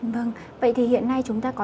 vâng vậy thì hiện nay chúng ta có